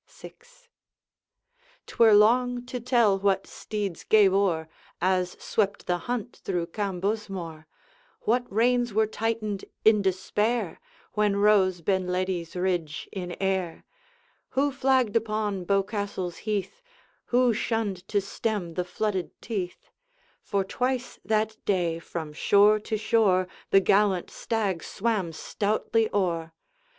VI. 'T were long to tell what steeds gave o'er, As swept the hunt through Cambusmore; What reins were tightened in despair, When rose Benledi's ridge in air; Who flagged upon Bochastle's heath, Who shunned to stem the flooded Teith, For twice that day, from shore to shore, The gallant stag swam stoutly o'er.